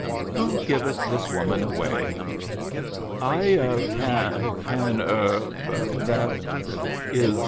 " Who giveth this woman away ?"" I can ... er ... that is ...